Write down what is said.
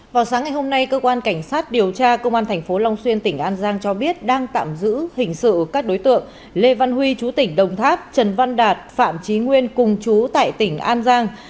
vào sáng ngày hôm nay cơ quan cảnh sát điều tra công an tp long xuyên tỉnh an giang cho biết đang tạm giữ hình sự các đối tượng lê văn huy chú tỉnh đồng tháp trần văn đạt phạm trí nguyên cùng chú tại tỉnh an giang